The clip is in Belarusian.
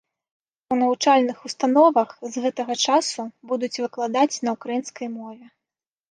У навучальных установах з гэтага часу будуць выкладаць на ўкраінскай мове.